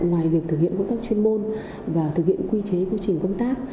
ngoài việc thực hiện công tác chuyên môn và thực hiện quy chế quy trình công tác